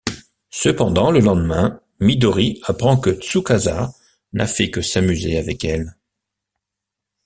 Cependant le lendemain, Midori apprend que Tsukasa n'a fait que s'amuser avec elle.